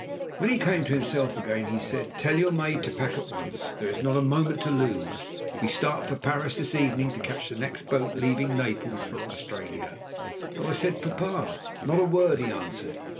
When he came to himself again he said, 'Tell your maid to pack at once. There is not a moment to lose. We start for Paris this evening to catch the next boat leaving Naples for Australia.' I said, 'But papa!' 'Not a word,' he answered.